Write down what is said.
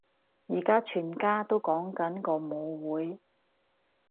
而家全校都講緊個舞會